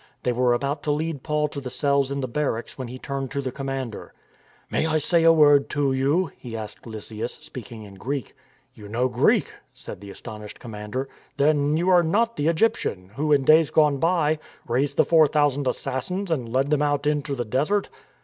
They were about to lead Paul to the cells in the bar racks when he turned to the commander. "May I say a word to you?" he asked Lysias, speaking in Greek. " You know Greek !" said the astonished com mander. " Then you are not the Egyptian who in days gone by raised the four thousand Assassins and led them out into the desert